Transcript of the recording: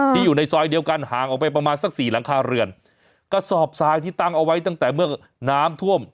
อยู่ในซอยเดียวกันห่างออกไปประมาณสักสี่หลังคาเรือนกระสอบทรายที่ตั้งเอาไว้ตั้งแต่เมื่อน้ำท่วม